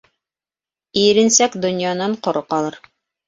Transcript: Иренсәк донъянан ҡоро ҡалыр.